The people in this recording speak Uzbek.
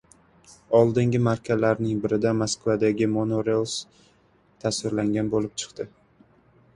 Oldingi markalarning birida Moskvadagi monorels tasvirlangan bo‘lib chiqqandi